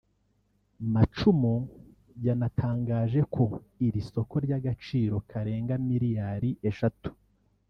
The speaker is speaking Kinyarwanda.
Macumu yanatangaje ko iri soko ry’agaciro karenga miliyali eshatu